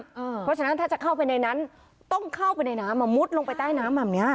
เพราะฉะนั้นถ้าจะเข้าไปในนั้นต้องเข้าไปในน้ำมามุดลงไปใต้น้ำแบบนี้